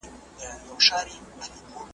سیالۍ خلک هڅوي.